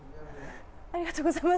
ありがとうございます。